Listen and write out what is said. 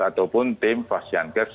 ataupun tim fasilitas